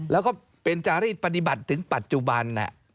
แล้วก็เป็นจารีสปฏิบัติถึงปัจจุบัน